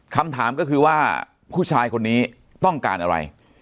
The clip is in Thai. คำถามก็คือว่าผู้ชายคนนี้ต้องการอะไร